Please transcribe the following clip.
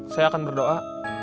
saya akan berdoa